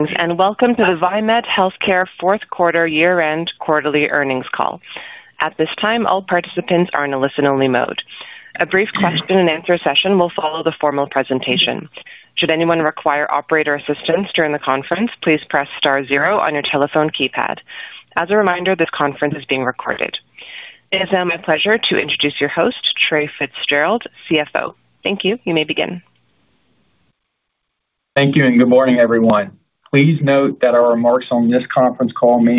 Welcome to the Viemed Healthcare fourth quarter year-end quarterly earnings call. At this time, all participants are in a listen-only mode. A brief question and answer session will follow the formal presentation. Should anyone require operator assistance during the conference, please press star zero on your telephone keypad. As a reminder, this conference is being recorded. It is now my pleasure to introduce your host, Trae Fitzgerald, CFO. Thank you. You may begin. Thank you and good morning, everyone. Please note that our remarks on this conference call may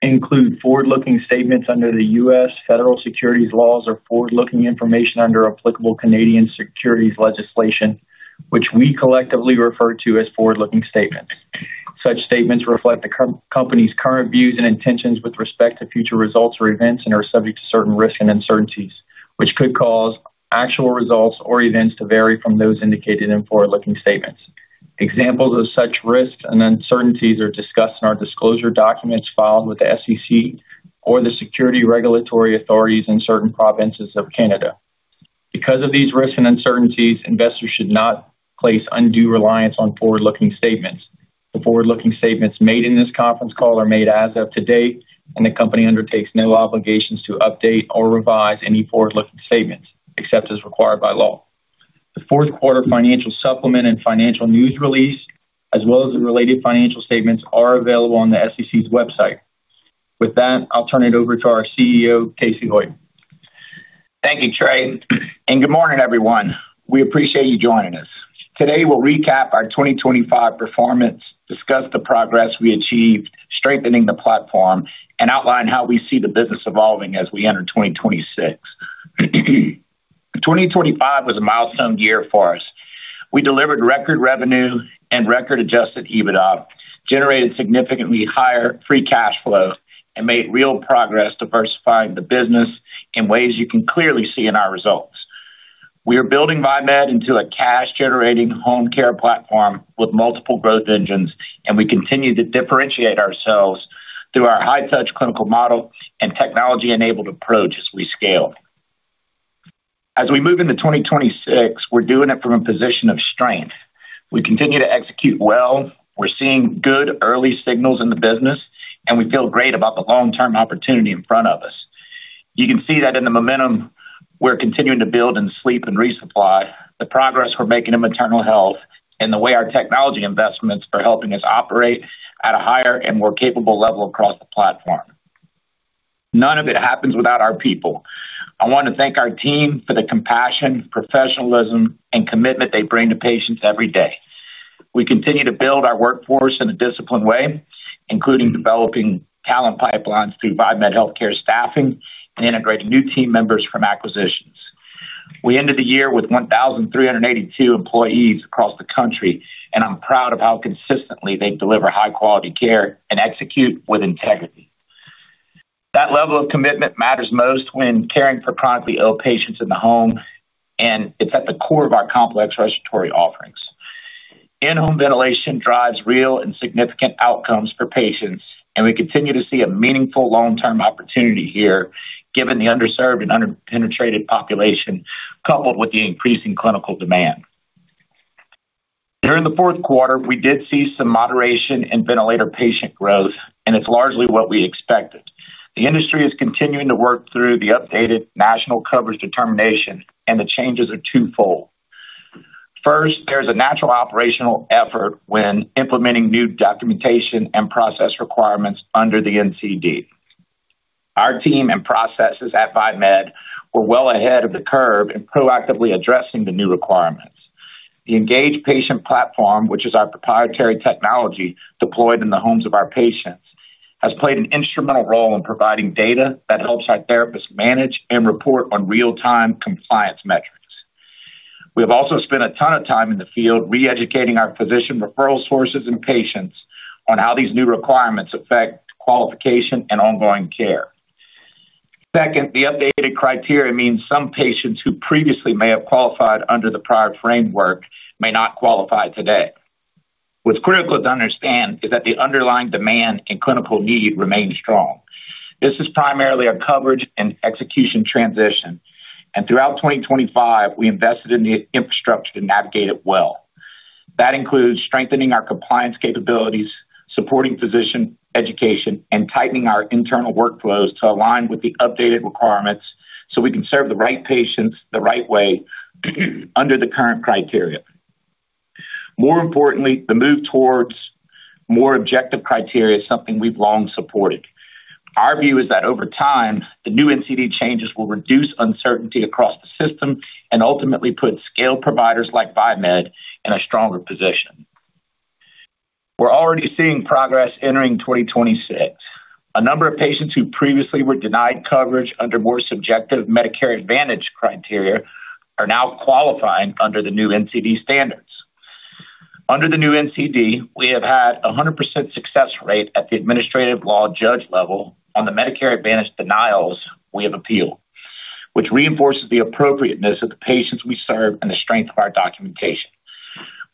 include forward-looking statements under the U.S. Federal Securities Laws or forward-looking information under applicable Canadian securities legislation, which we collectively refer to as forward-looking statements. Such statements reflect the company's current views and intentions with respect to future results or events, and subject to certain risks and uncertainties, which could cause actual results or events to vary from those indicated in forward-looking statements. Examples of such risks and uncertainties are discussed in our disclosure documents filed with the SEC or the security regulatory authorities in certain provinces of Canada. Because of these risks and uncertainties, investors should not place undue reliance on forward-looking statements. The forward-looking statements made in this conference call are made as of today, and the company undertakes no obligations to update or revise any forward-looking statements, except as required by law. The fourth quarter financial supplement and financial news release, as well as the related financial statements, are available on the SEC's website. With that, I'll turn it over to our CEO, Casey Hoyt. Thank you, Trae, and good morning, everyone. We appreciate you joining us. Today we'll recap our 2025 performance, discuss the progress we achieved strengthening the platform, and outline how we see the business evolving as we enter 2026. 2025 was a milestone year for us. We delivered record revenue and record Adjusted EBITDA, generated significantly higher free cash flow, and made real progress diversifying the business in ways you can clearly see in our results. We are building Viemed into a cash-generating home care platform with multiple growth engines, and we continue to differentiate ourselves through our high-touch clinical model and technology-enabled approach as we scale. As we move into 2026, we're doing it from a position of strength. We continue to execute well, we're seeing good early signals in the business, and we feel great about the long-term opportunity in front of us. You can see that in the momentum we're continuing to build in sleep and resupply, the progress we're making in maternal health, and the way our technology investments are helping us operate at a higher and more capable level across the platform. None of it happens without our people. I wanna thank our team for the compassion, professionalism, and commitment they bring to patients every day. We continue to build our workforce in a disciplined way, including developing talent pipelines through Viemed Healthcare Staffing and integrating new team members from acquisitions. We ended the year with 1,382 employees across the country, and I'm proud of how consistently they deliver high-quality care and execute with integrity. That level of commitment matters most when caring for chronically ill patients in the home, and it's at the core of our complex respiratory offerings. In-home ventilation drives real and significant outcomes for patients. We continue to see a meaningful long-term opportunity here, given the underserved and under-penetrated population, coupled with the increasing clinical demand. During the fourth quarter, we did see some moderation in ventilator patient growth. It's largely what we expected. The industry is continuing to work through the updated National Coverage Determination. The changes are twofold. First, there's a natural operational effort when implementing new documentation and process requirements under the NCD. Our team and processes at Viemed were well ahead of the curve in proactively addressing the new requirements. The Engage patient platform, which is our proprietary technology deployed in the homes of our patients, has played an instrumental role in providing data that helps our therapists manage and report on real-time compliance metrics. We have also spent a ton of time in the field re-educating our physician referral sources and patients on how these new requirements affect qualification and ongoing care. Second, the updated criteria means some patients who previously may have qualified under the prior framework may not qualify today. What's critical to understand is that the underlying demand and clinical need remains strong. This is primarily a coverage and execution transition, and throughout 2025 we invested in the infrastructure to navigate it well. That includes strengthening our compliance capabilities, supporting physician education, and tightening our internal workflows to align with the updated requirements, so we can serve the right patients the right way under the current criteria. More importantly, the move towards more objective criteria is something we've long supported. Our view is that over time, the new NCD changes will reduce uncertainty across the system and ultimately put scaled providers like Viemed in a stronger position. We're already seeing progress entering 2026. A number of patients who previously were denied coverage under more subjective Medicare Advantage criteria are now qualifying under the new NCD standards. Under the new NCD, we have had a 100% success rate at the administrative law judge level on the Medicare Advantage denials we have appealed, which reinforces the appropriateness of the patients we serve and the strength of our documentation.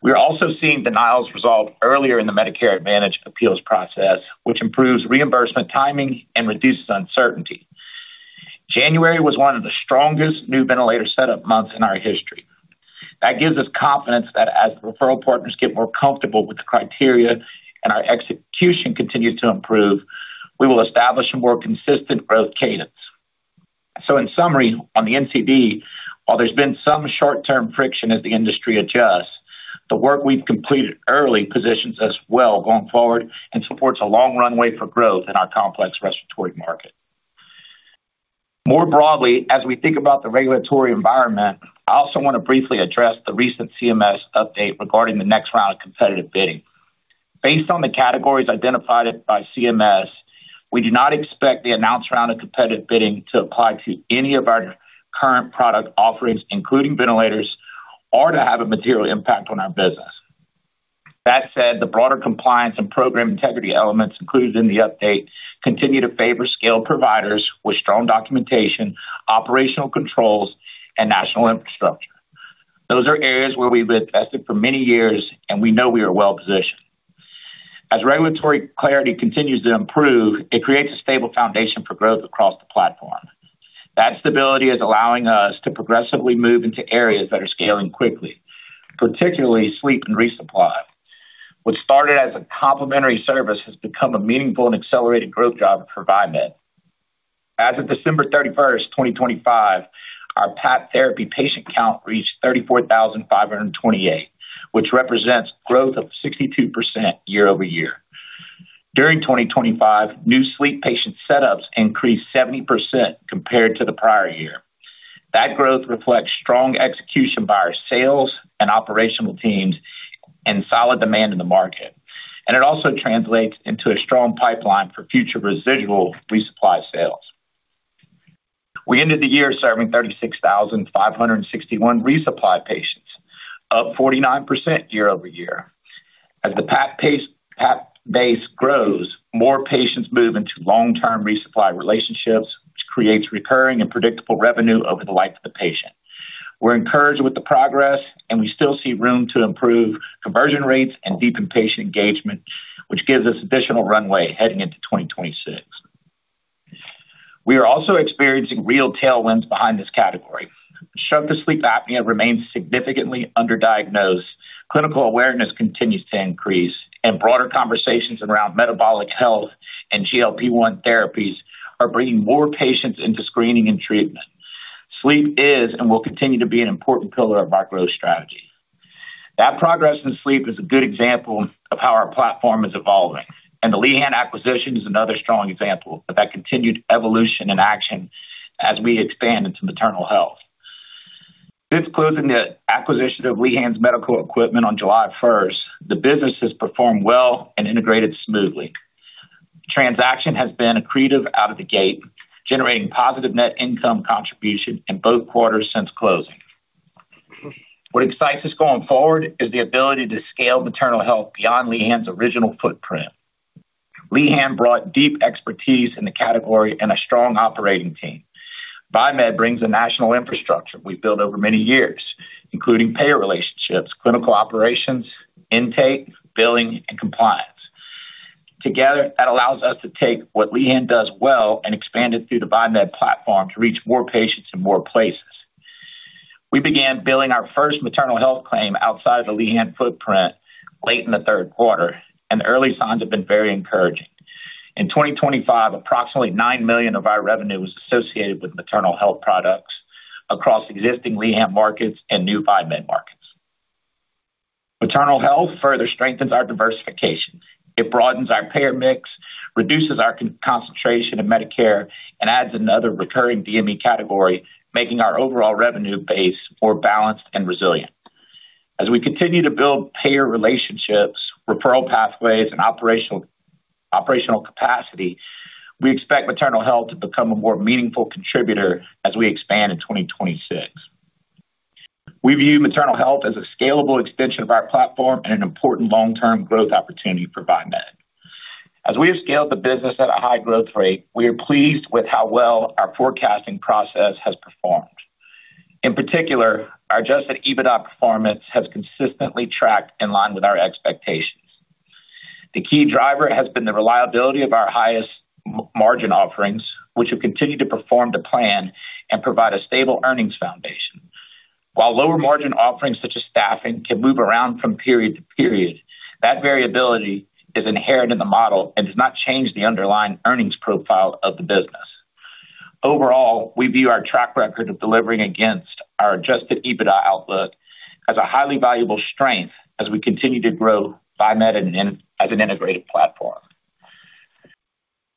We are also seeing denials resolved earlier in the Medicare Advantage appeals process, which improves reimbursement timing and reduces uncertainty. January was one of the strongest new ventilator setup months in our history. That gives us confidence that as referral partners get more comfortable with the criteria and our execution continues to improve, we will establish a more consistent growth cadence. In summary, on the NCD, while there's been some short-term friction as the industry adjusts, the work we've completed early positions us well going forward and supports a long runway for growth in our complex respiratory market. Broadly, as we think about the regulatory environment, I also wanna briefly address the recent CMS update regarding the next round of competitive bidding. Based o the categories identified by CMS, we do not expect the announced round of competitive bidding to apply to any of our current product offerings, including ventilators, or to have a material impact on our business. That said, the broader compliance and program integrity elements included in the update continue to favor scaled providers with strong documentation, operational controls, and national infrastructure. Those are areas where we've invested for many years, and we know we are well-positioned. As regulatory clarity continues to improve, it creates a stable foundation for growth across the platform. That stability is allowing us to progressively move into areas that are scaling quickly, particularly sleep and resupply. What started as a complimentary service has become a meaningful and accelerated growth driver for Viemed. As of December 31st, 2025, our PAP therapy patient count reached 34,528, which represents growth of 62% year-over-year. During 2025, new sleep patient setups increased 70% compared to the prior year. That growth reflects strong execution by our sales and operational teams and solid demand in the market. It also translates into a strong pipeline for future residual resupply sales. We ended the year serving 36,561 resupply patients, up 49% year-over-year. As the PAP base grows, more patients move into long-term resupply relationships, which creates recurring and predictable revenue over the life of the patient. We're encouraged with the progress. We still see room to improve conversion rates and deepen patient engagement, which gives us additional runway heading into 2026. We are also experiencing real tailwinds behind this category. Obstructive sleep apnea remains significantly underdiagnosed, clinical awareness continues to increase. Broader conversations around metabolic health and GLP-1 therapies are bringing more patients into screening and treatment. Sleep is and will continue to be an important pillar of our growth strategy. That progress in sleep is a good example of how our platform is evolving, and the Lehan's acquisition is another strong example of that continued evolution in action as we expand into maternal health. Since closing the acquisition of Lehan's Medical Equipment on July first, the business has performed well and integrated smoothly. The transaction has been accretive out of the gate, generating positive net income contribution in both quarters since closing. What excites us going forward is the ability to scale maternal health beyond Lehan's original footprint. Lehan's brought deep expertise in the category and a strong operating team. Viemed brings a national infrastructure we've built over many years, including payer relationships, clinical operations, intake, billing, and compliance. Together, that allows us to take what Lehan's does well and expand it through the Viemed platform to reach more patients in more places. We began billing our first maternal health claim outside of the Lehan's footprint late in the third quarter. The early signs have been very encouraging. In 2025, approximately $9 million of our revenue was associated with maternal health products across existing Lehan's markets and new Viemed markets. Maternal health further strengthens our diversification. It broadens our payer mix, reduces our concentration of Medicare, and adds another recurring DME category, making our overall revenue base more balanced and resilient. As we continue to build payer relationships, referral pathways, and operational capacity, we expect maternal health to become a more meaningful contributor as we expand in 2026. We view maternal health as a scalable extension of our platform and an important long-term growth opportunity for Viemed. As we have scaled the business at a high growth rate, we are pleased with how well our forecasting process has performed. In particular, our Adjusted EBITDA performance has consistently tracked in line with our expectations. The key driver has been the reliability of our highest margin offerings, which have continued to perform to plan and provide a stable earnings foundation. While lower margin offerings such as staffing can move around from period to period, that variability is inherent in the model and does not change the underlying earnings profile of the business. Overall, we view our track record of delivering against our Adjusted EBITDA outlook as a highly valuable strength as we continue to grow Viemed as an integrated platform.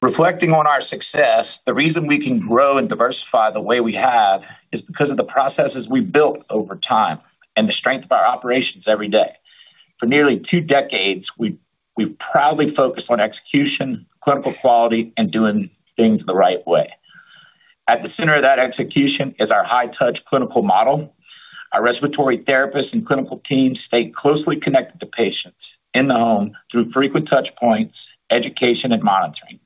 Reflecting on our success, the reason we can grow and diversify the way we have is because of the processes we've built over time and the strength of our operations every day. For nearly two decades, we've proudly focused on execution, clinical quality, and doing things the right way. At the center of that execution is our high-touch clinical model. Our respiratory therapists and clinical teams stay closely connected to patients in the home through frequent touch points, education, and monitoring.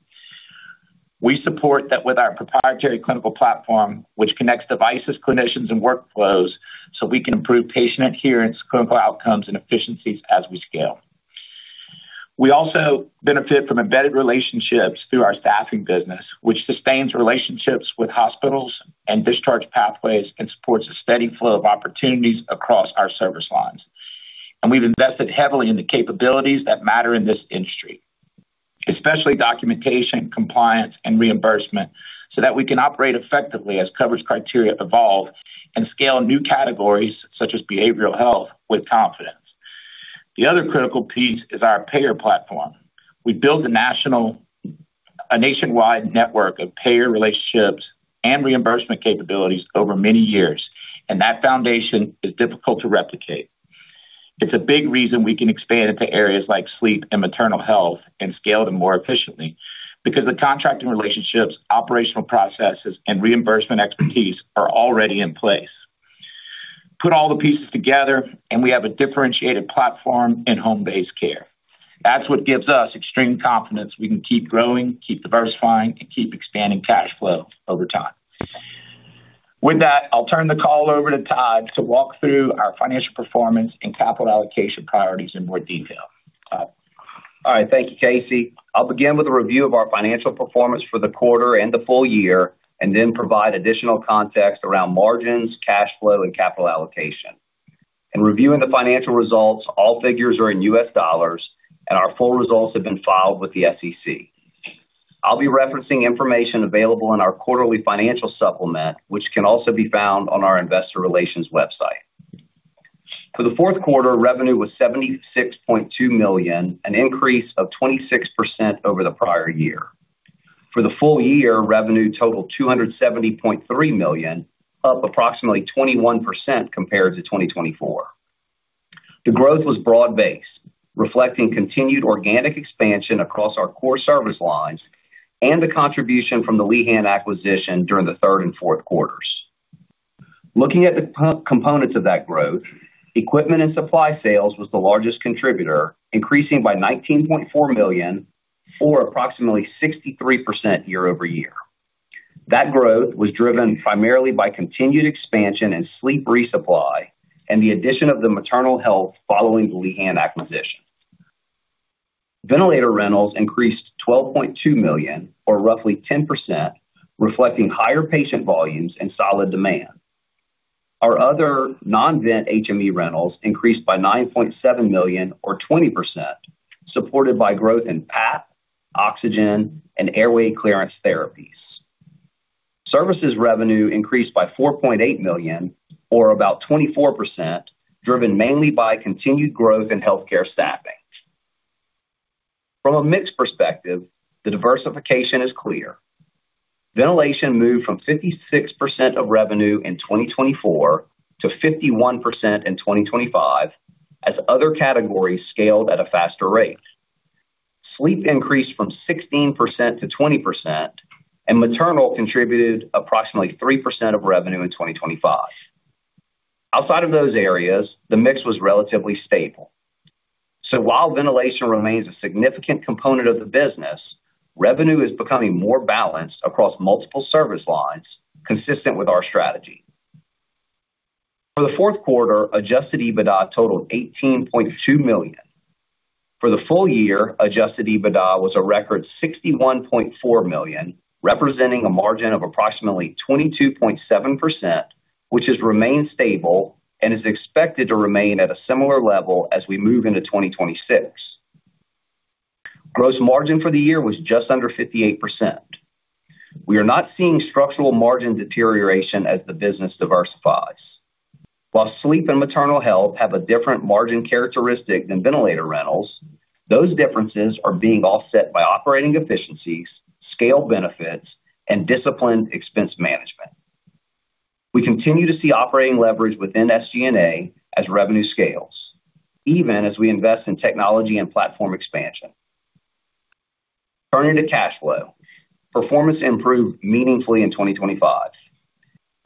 We support that with our proprietary clinical platform, which connects devices, clinicians, and workflows, so we can improve patient adherence, clinical outcomes, and efficiencies as we scale. We also benefit from embedded relationships through our staffing business, which sustains relationships with hospitals and discharge pathways and supports a steady flow of opportunities across our service lines. We've invested heavily in the capabilities that matter in this industry, especially documentation, compliance, and reimbursement, so that we can operate effectively as coverage criteria evolve and scale new categories such as behavioral health with confidence. The other critical piece is our payer platform. We built a nationwide network of payer relationships and reimbursement capabilities over many years, and that foundation is difficult to replicate. It's a big reason we can expand into areas like sleep and maternal health and scale them more efficiently because the contracting relationships, operational processes, and reimbursement expertise are already in place. Put all the pieces together, and we have a differentiated platform in home-based care. That's what gives us extreme confidence we can keep growing, keep diversifying, and keep expanding cash flow over time. With that, I'll turn the call over to Todd to walk through our financial performance and capital allocation priorities in more detail. Todd? All right. Thank you, Casey. I'll begin with a review of our financial performance for the quarter and the full year and then provide additional context around margins, cash flow, and capital allocation. In reviewing the financial results, all figures are in US dollars, and our full results have been filed with the SEC. I'll be referencing information available in our quarterly financial supplement, which can also be found on our investor relations website. For the fourth quarter, revenue was $76.2 million, an increase of 26% over the prior year. For the full year, revenue totaled $270.3 million, up approximately 21% compared to 2024. The growth was broad-based, reflecting continued organic expansion across our core service lines and the contribution from the Lehan's acquisition during the third and fourth quarters. Looking at the components of that growth, equipment and supply sales was the largest contributor, increasing by $19.4 million or approximately 63% year-over-year. That growth was driven primarily by continued expansion in sleep resupply and the addition of the maternal health following the Lehan's acquisition. Ventilator rentals increased $12.2 million, or roughly 10%, reflecting higher patient volumes and solid demand. Our other non-vent HME rentals increased by $9.7 million or 20%, supported by growth in PAP, oxygen, and airway clearance therapies. Services revenue increased by $4.8 million or about 24%, driven mainly by continued growth in healthcare staffing. From a mix perspective, the diversification is clear. Ventilation moved from 56% of revenue in 2024 to 51% in 2025 as other categories scaled at a faster rate. Sleep increased from 16% to 20%, maternal contributed approximately 3% of revenue in 2025. Outside of those areas, the mix was relatively stable. While ventilation remains a significant component of the business, revenue is becoming more balanced across multiple service lines, consistent with our strategy. For the fourth quarter, Adjusted EBITDA totaled $18.2 million. For the full year, Adjusted EBITDA was a record $61.4 million, representing a margin of approximately 22.7%, which has remained stable and is expected to remain at a similar level as we move into 2026. Gross margin for the year was just under 58%. We are not seeing structural margin deterioration as the business diversifies. While sleep and maternal health have a different margin characteristic than ventilator rentals, those differences are being offset by operating efficiencies, scale benefits, and disciplined expense management. We continue to see operating leverage within SG&A as revenue scales, even as we invest in technology and platform expansion. Turning to cash flow. Performance improved meaningfully in 2025.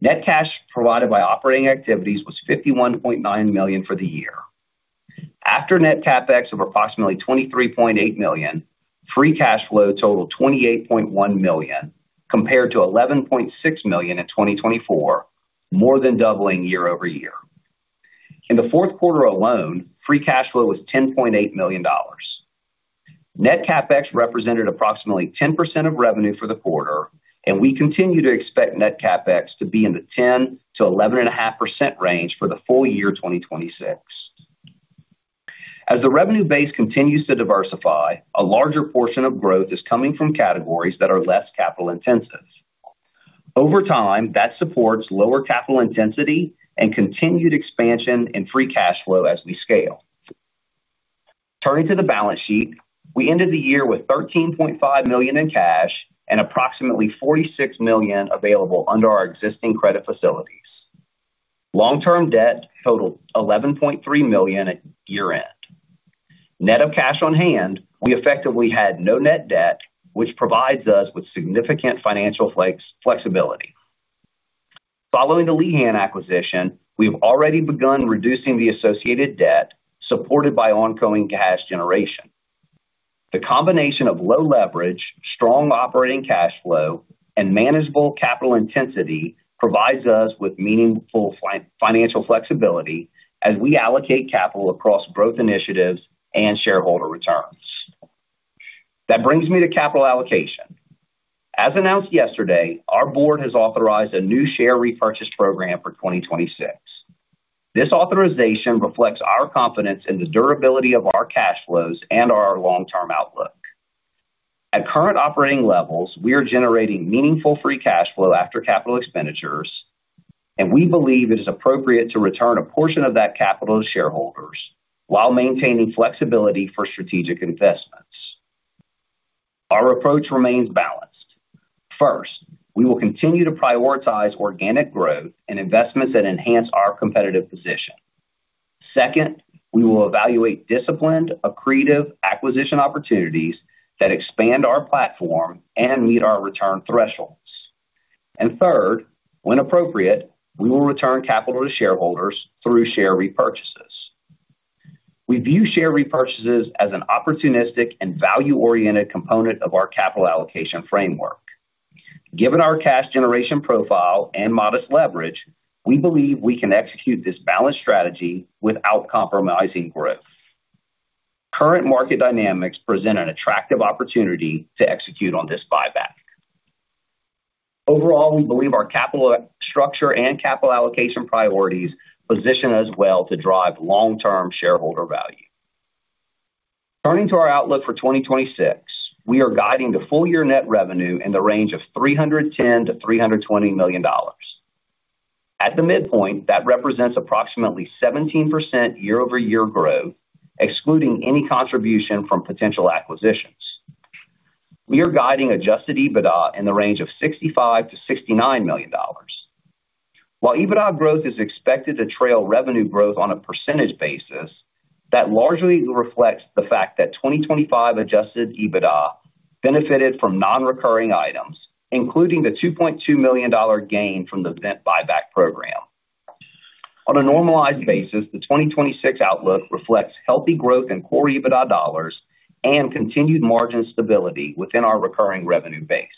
Net cash provided by operating activities was $51.9 million for the year. After net CapEx of approximately $23.8 million, free cash flow totaled $28.1 million, compared to $11.6 million in 2024, more than doubling year-over-year. In the fourth quarter alone, free cash flow was $10.8 million. Net CapEx represented approximately 10% of revenue for the quarter. We continue to expect net CapEx to be in the 10%-11.5% range for the full year 2026. As the revenue base continues to diversify, a larger portion of growth is coming from categories that are less capital-intensive. Over time, that supports lower capital intensity and continued expansion in free cash flow as we scale. Turning to the balance sheet. We ended the year with $13.5 million in cash and approximately $46 million available under our existing credit facilities. Long-term debt totaled $11.3 million at year-end. Net of cash on hand, we effectively had no net debt, which provides us with significant financial flexibility. Following the Lehan's acquisition, we've already begun reducing the associated debt supported by ongoing cash generation. The combination of low leverage, strong operating cash flow, and manageable capital intensity provides us with meaningful financial flexibility as we allocate capital across growth initiatives and shareholder returns. That brings me to capital allocation. As announced yesterday, our board has authorized a new share repurchase program for 2026. This authorization reflects our confidence in the durability of our cash flows and our long-term outlook. At current operating levels, we are generating meaningful free cash flow after capital expenditures, and we believe it is appropriate to return a portion of that capital to shareholders while maintaining flexibility for strategic investments. Our approach remains balanced. First, we will continue to prioritize organic growth and investments that enhance our competitive position. Second, we will evaluate disciplined, accretive acquisition opportunities that expand our platform and meet our return thresholds. Third, when appropriate, we will return capital to shareholders through share repurchases. We view share repurchases as an opportunistic and value-oriented component of our capital allocation framework. Given our cash generation profile and modest leverage, we believe we can execute this balanced strategy without compromising growth. Current market dynamics present an attractive opportunity to execute on this buyback. Overall, we believe our capital structure and capital allocation priorities position us well to drive long-term shareholder value. Turning to our outlook for 2026, we are guiding the full year net revenue in the range of $310 million-$320 million. At the midpoint, that represents approximately 17% year-over-year growth, excluding any contribution from potential acquisitions. We are guiding Adjusted EBITDA in the range of $65 million-$69 million. While EBITDA growth is expected to trail revenue growth on a percentage basis, that largely reflects the fact that 2025 Adjusted EBITDA benefited from non-recurring items, including the $2.2 million gain from the ventilator buyback program. On a normalized basis, the 2026 outlook reflects healthy growth in core EBITDA dollars and continued margin stability within our recurring revenue base.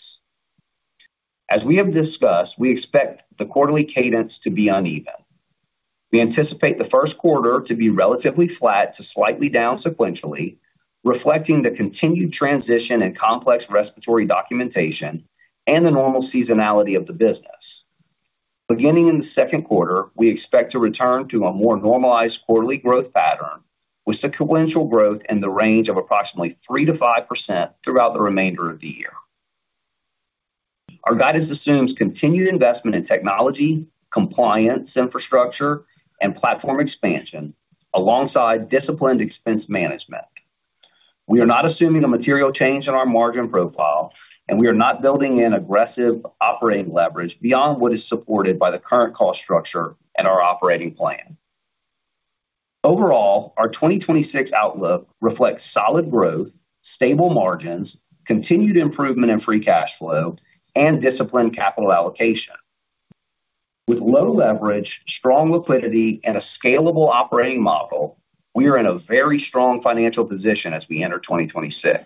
As we have discussed, we expect the quarterly cadence to be uneven. We anticipate the first quarter to be relatively flat to slightly down sequentially, reflecting the continued transition in complex respiratory documentation and the normal seasonality of the business. Beginning in the second quarter, we expect to return to a more normalized quarterly growth pattern with sequential growth in the range of approximately 3%-5% throughout the remainder of the year. Our guidance assumes continued investment in technology, compliance, infrastructure, and platform expansion alongside disciplined expense management. We are not assuming a material change in our margin profile, and we are not building in aggressive operating leverage beyond what is supported by the current cost structure and our operating plan. Overall, our 2026 outlook reflects solid growth, stable margins, continued improvement in free cash flow, and disciplined capital allocation. With low leverage, strong liquidity, and a scalable operating model, we are in a very strong financial position as we enter 2026.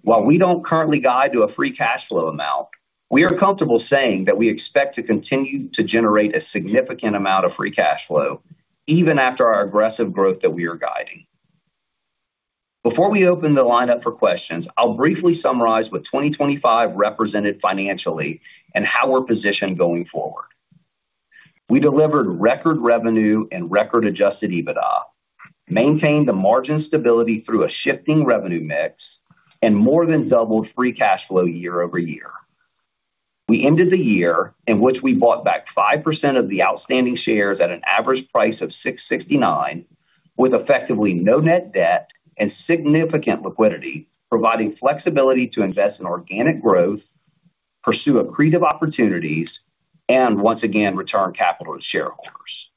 While we don't currently guide to a free cash flow amount, we are comfortable saying that we expect to continue to generate a significant amount of free cash flow even after our aggressive growth that we are guiding. Before we open the line up for questions, I'll briefly summarize what 2025 represented financially and how we're positioned going forward. We delivered record revenue and record Adjusted EBITDA, maintained the margin stability through a shifting revenue mix, and more than doubled free cash flow year-over-year. We ended the year in which we bought back 5% of the outstanding shares at an average price of $6.69, with effectively no net debt and significant liquidity, providing flexibility to invest in organic growth, pursue accretive opportunities, and once again, return capital to shareholders.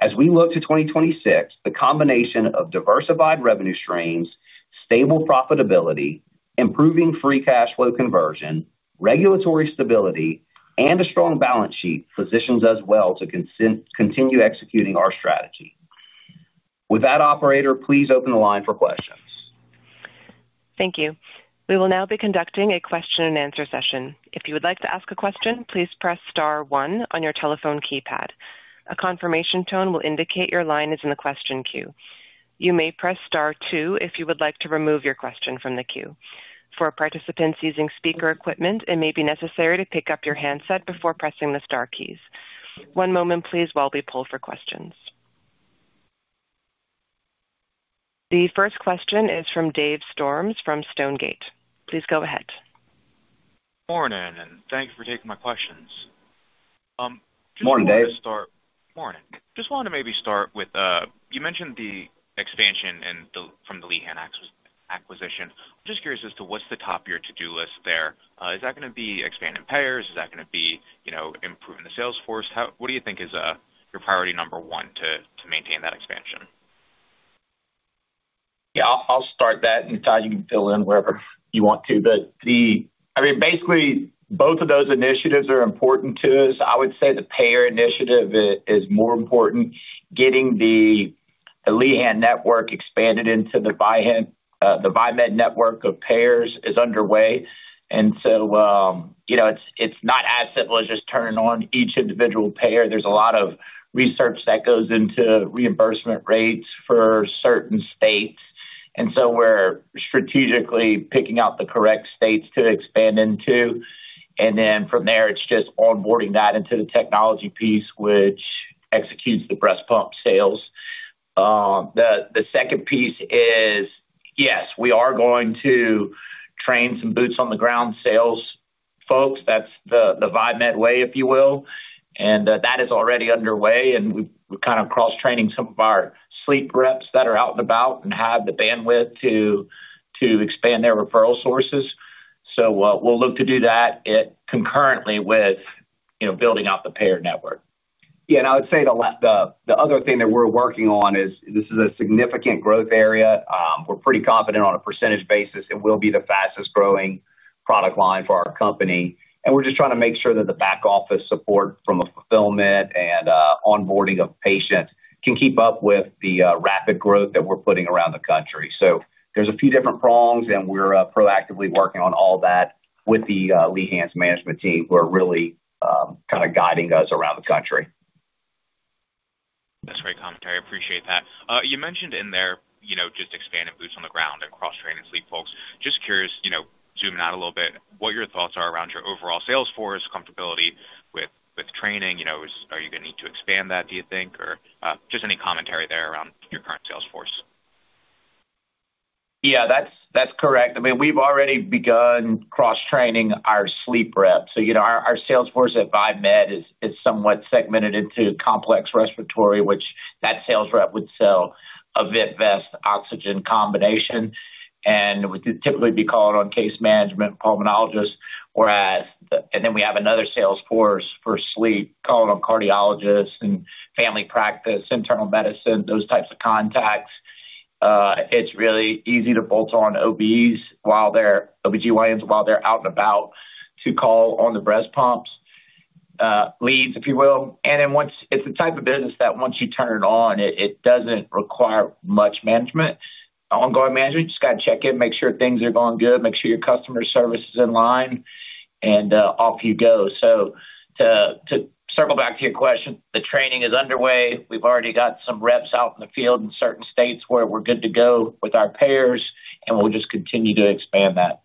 As we look to 2026, the combination of diversified revenue streams, stable profitability, improving free cash flow conversion, regulatory stability, and a strong balance sheet positions us well to continue executing our strategy. With that, operator, please open the line for questions. Thank you. We will now be conducting a question-and-answer session. If you would like to ask a question, please press star one on your telephone keypad. A confirmation tone will indicate your line is in the question queue. You may press star two if you would like to remove your question from the queue. For participants using speaker equipment, it may be necessary to pick up your handset before pressing the star keys. One moment please while we pull for questions. The first question is from Dave Storms from Stonegate. Please go ahead. Morning, thank you for taking my questions. Morning, Dave. Morning. Just wanted to maybe start with, you mentioned the expansion from the Lehan's acquisition. Just curious as to what's the top of your to-do list there. Is that gonna be expand payers? Is that gonna be, you know, improving the sales force? What do you think is your priority number one to maintain that expansion? I'll start that, Todd, you can fill in wherever you want to. I mean, basically, both of those initiatives are important to us. I would say the payer initiative is more important. Getting the Lehan's network expanded into the Viemed network of payers is underway. You know, it's not as simple as just turning on each individual payer. There's a lot of research that goes into reimbursement rates for certain states, we're strategically picking out the correct states to expand into. From there, it's just onboarding that into the technology piece, which executes the breast pump sales. The second piece is, yes, we are going to train some boots on the ground sales folks. That's the Viemed way, if you will. That is already underway, and we're kind of cross-training some of our sleep reps that are out and about and have the bandwidth to expand their referral sources. We'll look to do that it concurrently with, you know, building out the payer network. I would say the other thing that we're working on is this is a significant growth area. We're pretty confident on a percentage basis it will be the fastest-growing product line for our company. We're just trying to make sure that the back office support from a fulfillment and onboarding of patients can keep up with the rapid growth that we're putting around the country. There's a few different prongs, and we're proactively working on all that with the Lehan's management team, who are really kind of guiding us around the country. That's great commentary. I appreciate that. You mentioned in there, you know, just expanding boots on the ground and cross-training sleep folks. Just curious, you know, zooming out a little bit, what your thoughts are around your overall sales force comfortability with training. You know, are you gonna need to expand that, do you think? Or just any commentary there around your current sales force. That's correct. I mean, we've already begun cross-training our sleep reps. You know, our sales force at Viemed is somewhat segmented into complex respiratory, which that sales rep would sell a vent vest oxygen combination. Would typically be called on case management pulmonologists, whereas. Then we have another sales force for sleep, calling on cardiologists and family practice, internal medicine, those types of contacts. It's really easy to bolt on OB-GYNs, while they're out and about to call on the breast pumps, leads, if you will. Then once... It's the type of business that once you turn it on, it doesn't require much management. Ongoing management, just gotta check in, make sure things are going good, make sure your customer service is in line, and off you go. To circle back to your question, the training is underway. We've already got some reps out in the field in certain states where we're good to go with our payers, and we'll just continue to expand that.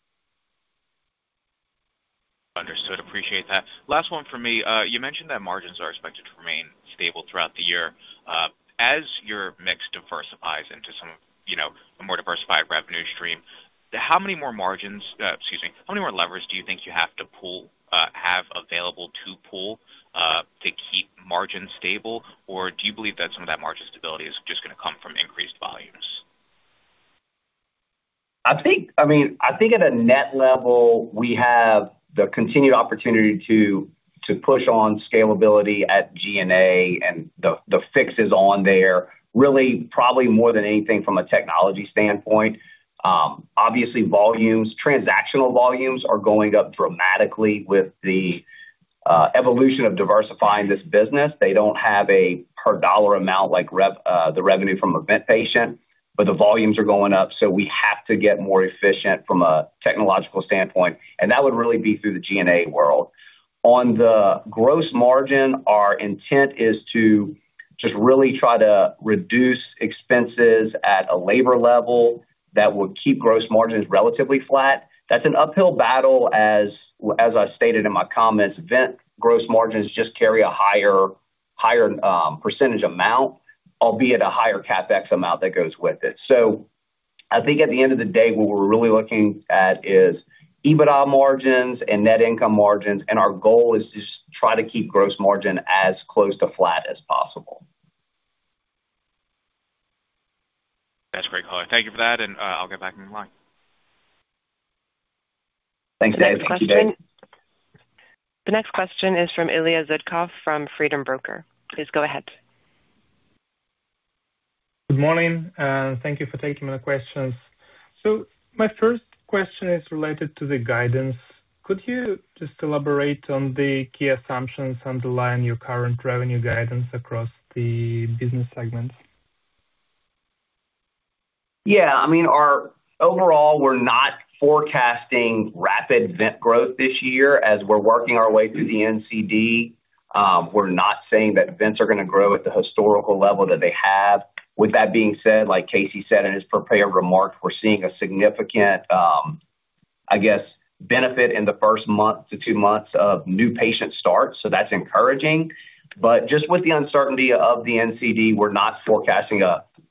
Understood. Appreciate that. Last one for me. You mentioned that margins are expected to remain stable throughout the year. As your mix diversifies into some, you know, a more diversified revenue stream, excuse me, how many more levers do you think you have available to pull, to keep margins stable? Or do you believe that some of that margin stability is just gonna come from increased volumes? I mean, I think at a net level, we have the continued opportunity to push on scalability at G&A and the fixes on there, really probably more than anything from a technology standpoint. Obviously volumes, transactional volumes are going up dramatically with the evolution of diversifying this business. They don't have a per dollar amount like the revenue from a vent patient, but the volumes are going up, so we have to get more efficient from a technological standpoint, and that would really be through the G&A world. On the gross margin, our intent is to just really try to reduce expenses at a labor level that will keep gross margins relatively flat. That's an uphill battle. As I stated in my comments, vent gross margins just carry a higher percentage amount, albeit a higher CapEx amount that goes with it. I think at the end of the day, what we're really looking at is EBITDA margins and net income margins. Our goal is just try to keep gross margin as close to flat as possible. That's great color. Thank you for that. I'll get back in line. Thanks, Dave. The next question. Thank you, Dave. The next question is from Ilya Zytkov from Freedom Broker. Please go ahead. Good morning, and thank you for taking my questions. My first question is related to the guidance. Could you just elaborate on the key assumptions underlying your current revenue guidance across the business segments? Yeah. I mean, overall, we're not forecasting rapid vent growth this year as we're working our way through the NCD. We're not saying that vents are gonna grow at the historical level that they have. With that being said, like Casey said in his prepared remarks, we're seeing a significant, I guess, benefit in the first month to two months of new patient starts, so that's encouraging. Just with the uncertainty of the NCD, we're not forecasting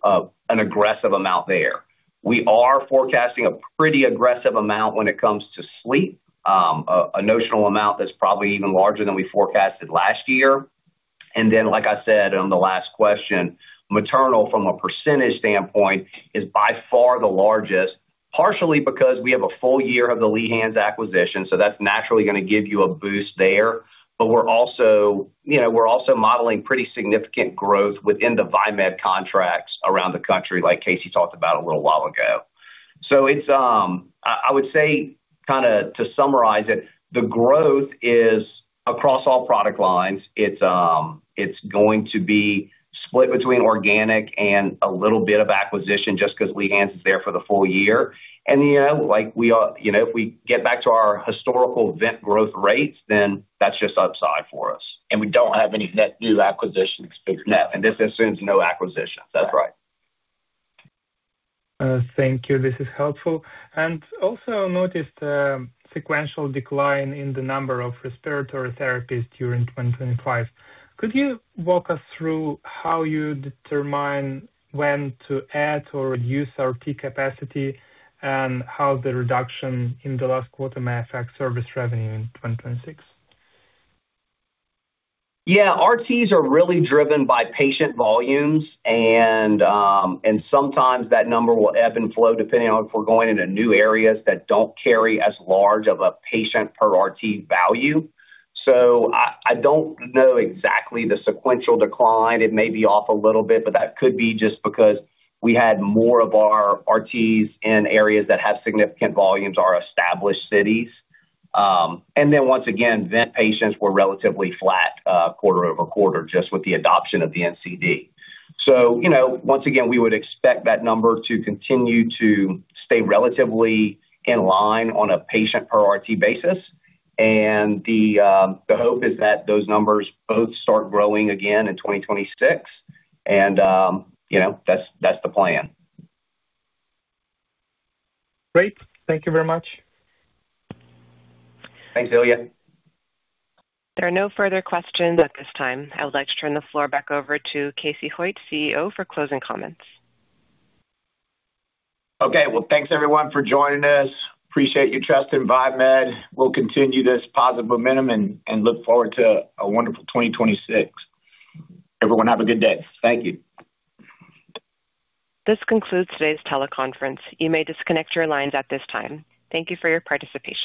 an aggressive amount there. We are forecasting a pretty aggressive amount when it comes to sleep, a notional amount that's probably even larger than we forecasted last year. Then like I said on the last question, maternal from a percentage standpoint is by far the largest, partially because we have a full year of the Lehan's acquisition, so that's naturally gonna give you a boost there. We're also, you know, we're also modeling pretty significant growth within the Viemed contracts around the country, like Casey talked about a little while ago. It's, I would say kind of to summarize it, the growth is across all product lines. It's, it's going to be split between organic and a little bit of acquisition just 'cause Lehan's is there for the full year. You know, if we get back to our historical vent growth rates, that's just upside for us. We don't have any net new acquisitions figured in that. No. This assumes no acquisitions. That's right. Thank you. This is helpful. Also noticed sequential decline in the number of respiratory therapists during 2025. Could you walk us through how you determine when to add or reduce RT capacity and how the reduction in the last quarter may affect service revenue in 2026? Yeah. RTs are really driven by patient volumes and sometimes that number will ebb and flow depending on if we're going into new areas that don't carry as large of a patient per RT value. I don't know exactly the sequential decline. It may be off a little bit, but that could be just because we had more of our RTs in areas that have significant volumes are established cities. Once again, vent patients were relatively flat quarter-over-quarter just with the adoption of the NCD. You know, once again, we would expect that number to continue to stay relatively in line on a patient per RT basis. The hope is that those numbers both start growing again in 2026 and, you know, that's the plan. Great. Thank you very much. Thanks, Ilya. There are no further questions at this time. I would like to turn the floor back over to Casey Hoyt, CEO, for closing comments. Okay. Well, thanks everyone for joining us. Appreciate your trust in Viemed. We'll continue this positive momentum and look forward to a wonderful 2026. Everyone have a good day. Thank you. This concludes today's teleconference. You may disconnect your lines at this time. Thank you for your participation.